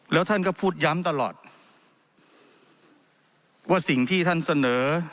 แล้วท่านก็พูดย้ำตลอดว่าสิ่งที่ท่านเสนอ